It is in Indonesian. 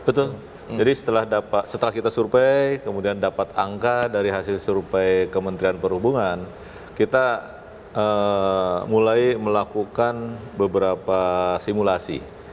betul jadi setelah kita survei kemudian dapat angka dari hasil survei kementerian perhubungan kita mulai melakukan beberapa simulasi